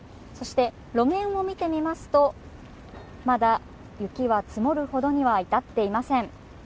そして、路面を見てみますと、まだ雪は積もるほどには至っていません。